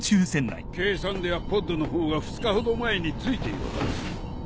計算ではポッドの方が２日ほど前に着いているはず。